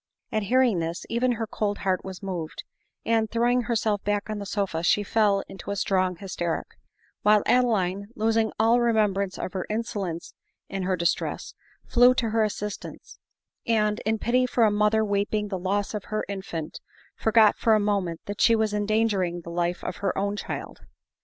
245 At hearing this, even her cold heart was moved, and, throwing herself back on the sofa she fell into a strong hysteric ; while Adeline, losing all remembrance of her insolence in her distress, flew to her assistance \ and, in pity for a mother weeping the loss of her infant, forgot for a moment that she was endangering the life of her own child.